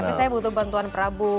tapi saya butuh bantuan prabu